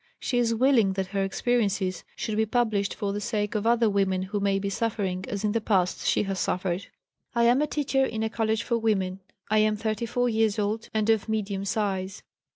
She is willing that her experiences should be published for the sake of other women who may be suffering as in the past she has suffered. "I am a teacher in a college for women. I am 34 years old and of medium size.